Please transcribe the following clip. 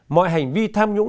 mọi hành vi tham nhũng